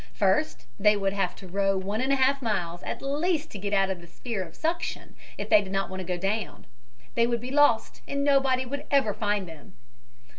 First, they would have to row one and a half miles at least to get out of the sphere of the suction, if they did not want to go down. They would be lost, and nobody would ever find them.